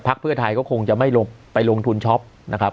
เพื่อไทยก็คงจะไม่ลงไปลงทุนช็อปนะครับ